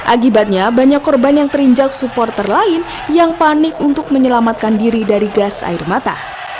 akibatnya banyak korban yang terinjak supporter lain yang panik untuk menyelamatkan diri dari gas air mata